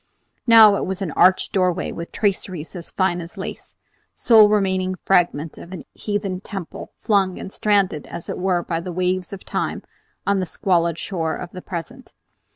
Now it was an arched doorway with traceries as fine as lace, sole remaining fragment of a heathen temple, flung and stranded as it were by the waves of time on the squalid shore of the present.